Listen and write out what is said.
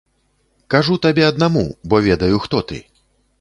Кажу табе аднаму, бо ведаю, хто ты.